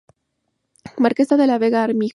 Marquesa de la Vega Armijo".